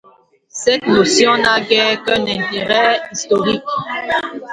Cette notion n'a guère qu'un intérêt historique.